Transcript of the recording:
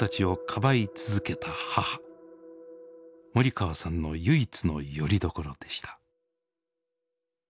森川さんの唯一のよりどころでした。